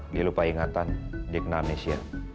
dia lupa ingatan dia kena amnesia